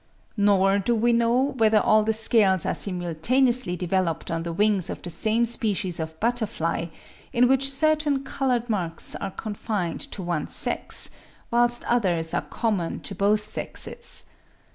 Nor do we know whether all the scales are simultaneously developed on the wings of the same species of butterfly, in which certain coloured marks are confined to one sex, whilst others are common to both sexes.